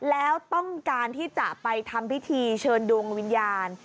แล้วต้องการที่จะไปทำพิธีเชิญดวงวิญญาณ